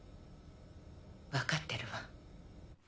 分かってるわ。